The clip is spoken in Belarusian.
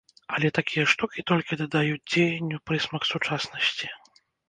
Але такія штукі толькі дадаюць дзеянню прысмак сучаснасці.